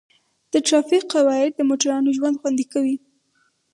د ټرافیک قواعد د موټروانو ژوند خوندي کوي.